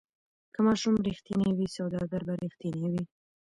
که ماشوم ریښتینی وي سوداګر به ریښتینی وي.